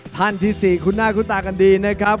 ท่านที่๔คุณหน้าคุณตากันดีนะครับ